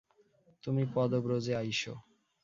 তুমি পদব্রজে আইস।